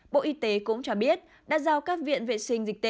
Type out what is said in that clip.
bộ y tế cũng cho biết đã giao các viện vệ sinh dịch tễ